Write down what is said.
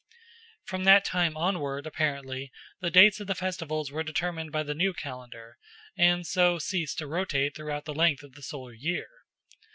From that time onward, apparently, the dates of the festivals were determined by the new calendar, and so ceased to rotate throughout the length of the solar year.